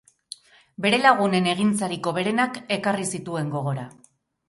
Bere lagunen egintzarik hoberenak ekarri zituen gogora.